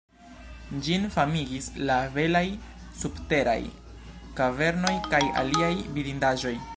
Ĝin famigis la belaj subteraj kavernoj kaj aliaj vidindaĵoj.